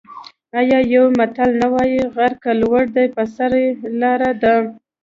آیا یو متل نه وايي: غر که لوړ دی په سر یې لاره ده؟